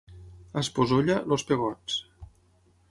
A Esposolla, els pegots.